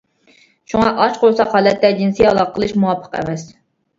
شۇڭا ئاچ قورساق ھالەتتە جىنسىي ئالاقە قىلىش مۇۋاپىق ئەمەس.